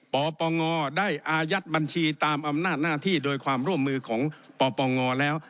ปปงได้อายัดบัญชีตามอำนาจหน้าที่โดยความร่วมมือของปปงแล้ว